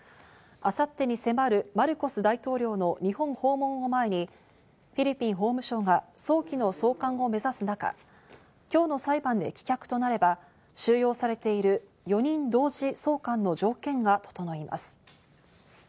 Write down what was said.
明後日に迫るマルコス大統領の日本訪問を前に、フィリピン法務省が早期の送還を目指す中、今日の裁判で棄却となれば収容されている４人同時送還の条件が整います。